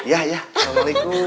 ya ya assalamualaikum